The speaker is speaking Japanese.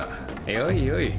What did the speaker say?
よいよい。